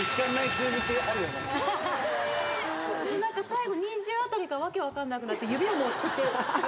最後２０あたりから訳分かんなくなって指をこうやって。